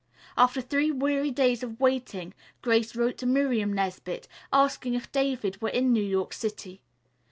After three weary days of waiting, Grace wrote to Miriam Nesbit asking if David were in New York City.